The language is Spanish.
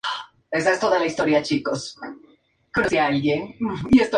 Se inició en la Academia Cantolao.